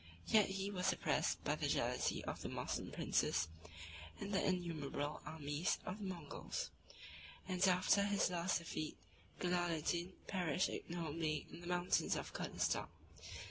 Yet he was oppressed by the jealousy of the Moslem princes, and the innumerable armies of the Moguls; and after his last defeat, Gelaleddin perished ignobly in the mountains of Curdistan.